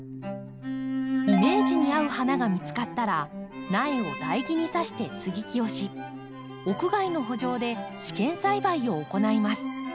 イメージに合う花が見つかったら苗を台木に挿して接ぎ木をし屋外の圃場で試験栽培を行います。